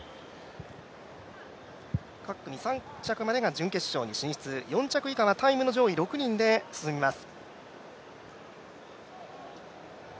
各組３着までが準決勝に進出４着以下がタイムの上位６人で進みます。